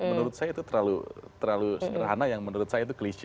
menurut saya itu terlalu sederhana yang menurut saya itu kelinci